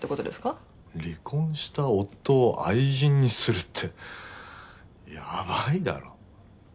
離婚した夫を愛人にするってやばいだろ。